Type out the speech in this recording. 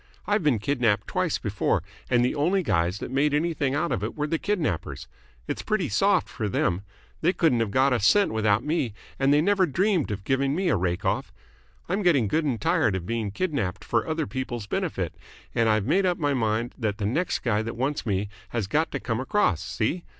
I've been kidnapped twice before, and the only guys that made anything out of it were the kidnappers. It's pretty soft for them. They couldn't have got a cent without me, and they never dreamed of giving me a rake off. I'm getting good and tired of being kidnapped for other people's benefit, and I've made up my mind that the next guy that wants me has got to come across. See?